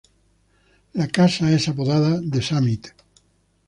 La casa es apodada The Summit.